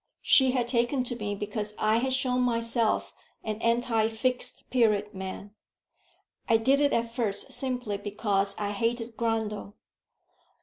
She had taken to me because I had shown myself an anti Fixed Period man. I did it at first simply because I hated Grundle.